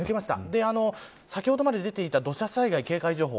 先ほどまで出ていた土砂災害警戒情報